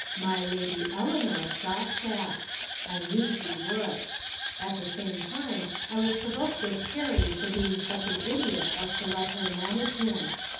My Lady Eleanor stopped that. I knew she would. At the same time I was provoked with Perry for being such an idiot as to let her manage him.